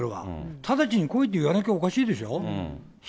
直ちに来いって言わなきゃおかしいでしょ。